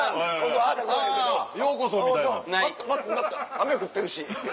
雨降ってるし。